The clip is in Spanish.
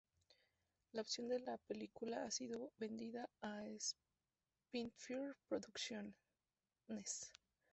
La opción de película ha sido vendida a Spitfire Producciones.